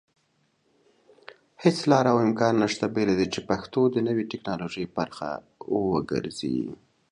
هيڅ لاره او امکان نشته بېله دې چې پښتو د نوي ټيکنالوژي پرخه وګرځي